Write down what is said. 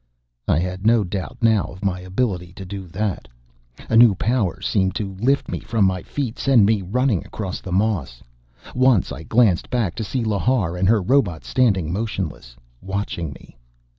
I had no doubt now of my ability to do that. A new power seemed to lift me from my feet, send me running across the moss. Once I glanced back, to see Lhar and her robot standing motionless, watching me.